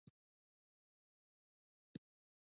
آیا موږ خپل هوایي حریم کنټرولوو؟